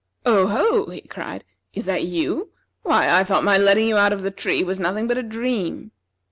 "Oh, ho!" he cried, "is that you? Why, I thought my letting you out of the tree was nothing but a dream."